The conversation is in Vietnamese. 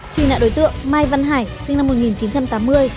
truy nạn đối tượng mai văn hải sinh năm một nghìn chín trăm tám mươi